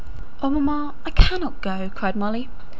"Oh, mamma, I cannot go!" cried Molly.